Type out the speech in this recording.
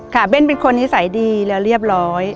เบ้นเป็นคนนิสัยดีและเรียบร้อย